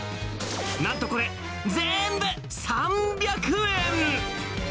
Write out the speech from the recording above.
なんとこれ、全部３００円。